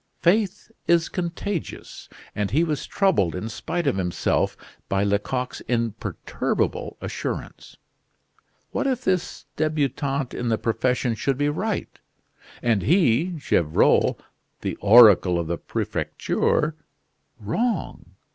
Faith is contagious, and he was troubled in spite of himself by Lecoq's imperturbable assurance. What if this debutant in the profession should be right, and he, Gevrol, the oracle of the Prefecture, wrong!